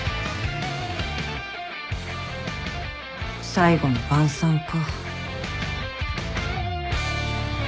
最後の晩さんか。